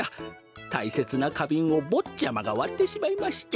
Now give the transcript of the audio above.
たいせつなかびんをぼっちゃまがわってしまいまして。